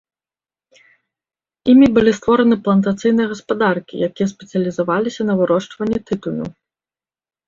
Імі былі створаны плантацыйныя гаспадаркі, якія спецыялізаваліся на вырошчванні тытуню.